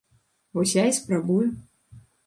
Вось я і спрабую.